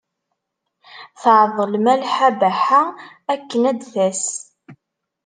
Tɛeḍḍel Malḥa Baḥa akken ad d-tas.